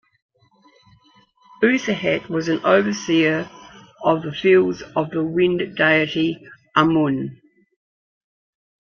Userhet was an overseer of the fields of the wind deity Amun.